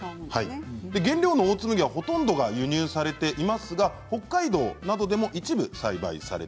原料のオーツ麦はほとんどが輸入されていますが北海道などでも一部栽培されています。